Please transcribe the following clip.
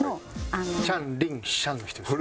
ちゃん・リン・シャンの人ですか？